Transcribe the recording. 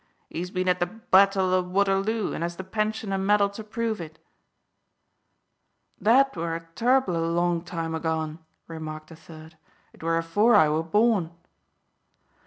"He's been at the battle o' Waterloo, and has the pension and medal to prove it." "That were a ter'ble long time agone," remarked a third. "It were afore I were born."